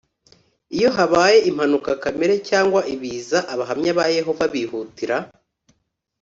Iyo habaye impanuka kamere cyangwa ibiza Abahamya ba Yehova bihutira